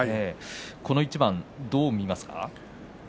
この一番どう見ますか？